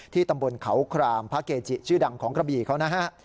ตำบลเขาครามพระเกจิชื่อดังของกระบี่เขานะฮะ